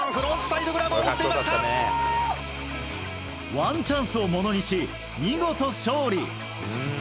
ワンチャンスをものにし見事勝利！